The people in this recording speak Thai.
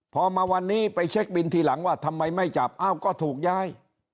พอมาวันนี้ไปเช็คบินทีหลังว่าทำไมไม่จับอ้าวก็ถูกย้าย